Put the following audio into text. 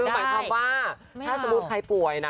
คือหมายความว่าถ้าสมมุติใครป่วยนะ